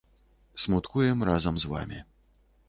Смуткуем разам з вамі.